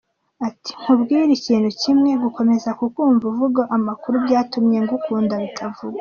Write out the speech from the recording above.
Ati”Nkubwire ikintu kimwe? Gukomeza kukumva uvuga amakuru byatumye ngukunda bitavugwa.